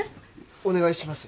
お願いします